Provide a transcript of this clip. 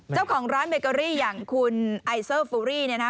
เจ้าของร้านเบเกอรี่อย่างคุณไอเซอร์ฟูรี่เนี่ยนะ